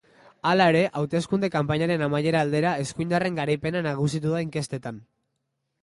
Hala ere, hauteskunde kanpainaren amaiera aldera, eskuindarren garaipena nagusitu da inkestetan.